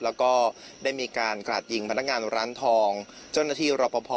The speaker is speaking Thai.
แล้วก็ได้มีการกราดยิงพนักงานร้านทองเจ้าหน้าที่รอปภ